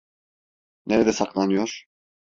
Nerede saklanıyor?